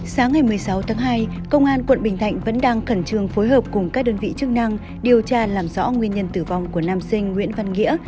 sáng ngày một mươi sáu tháng hai công an quận bình thạnh vẫn đang khẩn trương phối hợp cùng các đơn vị chức năng điều tra làm rõ nguyên nhân tử vong của nam sinh nguyễn văn nghĩa